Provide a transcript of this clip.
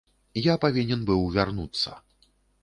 Я павінен быў вярнуцца.